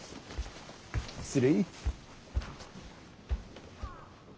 失礼。